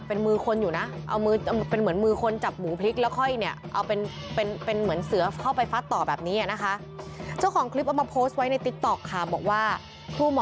ภูมิมันแบบว่ามีถึงขั้นที่ตายแล้วเนี่ยฟัดมาจับมันหงายท้องที่เขาผ่าท้องไว้แล้วเนี่ยฟัดมาจับมั